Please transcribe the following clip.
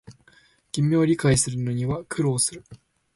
君を理解するのには苦労する